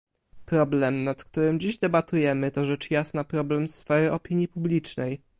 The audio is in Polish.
Problem, nad którym dziś debatujemy to rzecz jasna problem sfery opinii publicznej